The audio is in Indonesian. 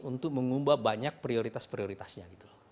untuk mengubah banyak prioritas prioritasnya